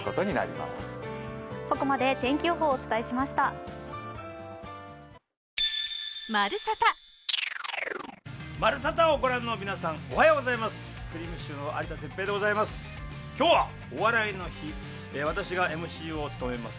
「まるサタ」をご覧の皆さんおはようございます。